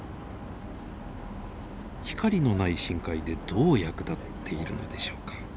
光のない深海でどう役立っているのでしょうか？